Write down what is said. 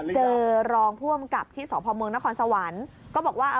เจอรองภวมกลับที่สพนครสวรรค์ก็บอกว่า